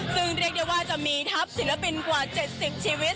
ซึ่งเรียกได้ว่าจะมีทัพศิลปินกว่า๗๐ชีวิต